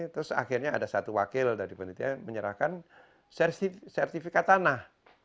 terus akhirnya ada satu wakil dari penelitian menyerahkan sertifikat tanah